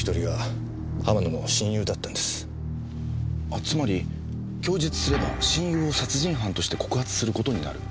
あつまり供述すれば親友を殺人犯として告発する事になる。